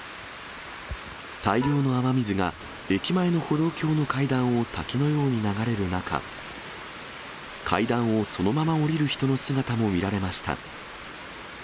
大量の雨水が、駅前の歩道橋の階段を滝のように流れる中、階段をそのまま下りる人の姿も見られました。